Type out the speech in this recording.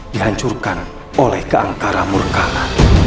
dihancurkan oleh keangkara murkana